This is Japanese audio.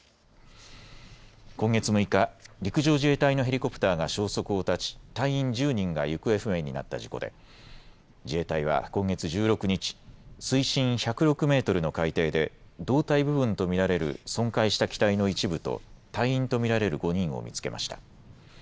今月６日、陸上自衛隊のヘリコプターが消息を絶ち、隊員１０人が行方不明になった事故で自衛隊は今月１６日、水深１０６メートルの海底で胴体部分と見られる損壊した機体の一部と隊員と見られる５人を見つけました。